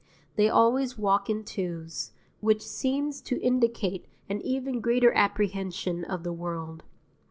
They always walk in twos, which seems to indicate an even greater apprehension of the World.